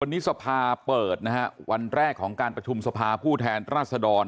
วันนี้ศรภาเปิดวันแรกของการพัฒนธุมศรภาพูดแทนราศดร